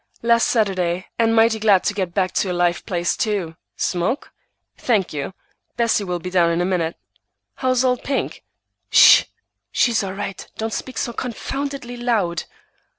"Last Saturday, and mighty glad to get back to a live place, too. Smoke?" "Thank you. Bessie will be down in a minute." "How's old Pink?" "S s h! She's all right. Don't speak so confoundedly loud."